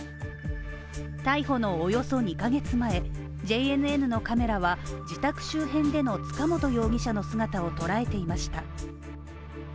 逮捕のおよそ２ヶ月前、ＪＮＮのカメラは自宅周辺での塚本容疑者の姿を捉えていました。